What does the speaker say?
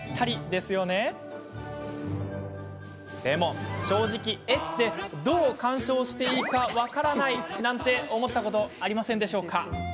でも正直、絵ってどう鑑賞していいか分からないなんて思ったことありませんか？